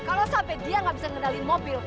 kalau sampai dia nggak bisa ngendali mobil